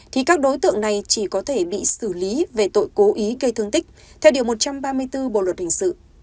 thì các đối tượng này chỉ có thể bị xử lý về tội cố ý gây thương tích theo điều một trăm ba mươi bốn bộ luật hình sự